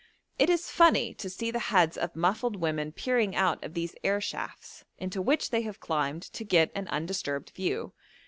It is funny to see the heads of muffled women peering out of these air shafts, into which they have climbed to get an undisturbed view.